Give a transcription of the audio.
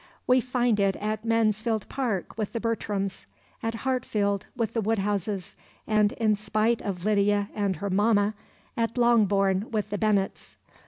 We find it at Mansfield Park with the Bertrams, at Hartfield with the Woodhouses, and, in spite of Lydia and her "mamma," at Longbourn with the Bennets.